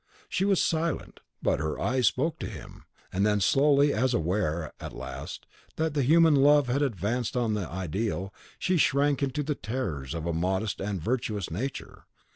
She was silent, but her eyes spoke to him; and then slowly, as aware, at last, that the human love had advanced on the ideal, she shrank into the terrors of a modest and virtuous nature.